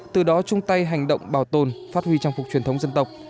từ đó chung tay hành động bảo tồn phát huy trang phục truyền thống dân tộc